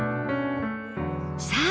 さあ